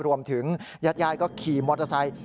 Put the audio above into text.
รวมถึงยัดยายก็ขี่มอเตอร์ไซต์